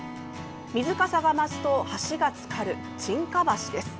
水かさが増すと橋がつかる沈下橋です。